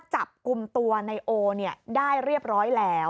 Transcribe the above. จับกลุ่มตัวนายโอได้เรียบร้อยแล้ว